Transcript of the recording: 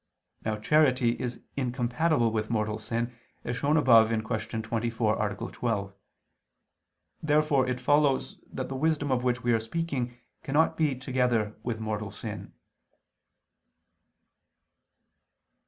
Now charity is incompatible with mortal sin, as shown above (Q. 24, A. 12). Therefore it follows that the wisdom of which we are speaking cannot be together with mortal sin.